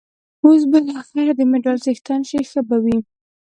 اوس به له خیره د مډال څښتن شې، ښه به وي.